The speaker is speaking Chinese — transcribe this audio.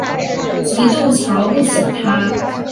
极度瞧不起他